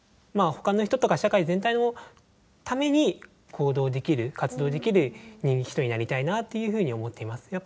まあほかの人とか社会全体のために行動できる活動できる人になりたいなというふうに思っています。